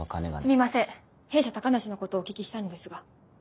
すみません弊社高梨のことをお聞きしたいのですが。